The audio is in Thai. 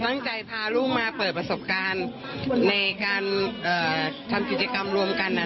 ตั้งใจพาลูกมาเปิดประสบการณ์ในการทำกิจกรรมรวมกัน